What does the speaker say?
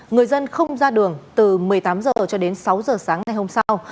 người dân không ra đường từ một mươi tám h cho đến sáu h sáng ngày hôm sau